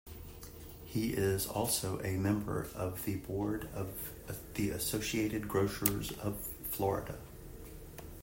He is also a member of the board of the Associated Grocers of Florida.